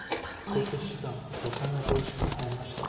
小池七段６回目の考慮時間に入りました。